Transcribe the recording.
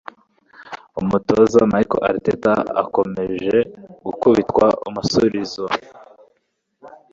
Umutoza Mikel Arteta akomeje gukubitwa umusuirizo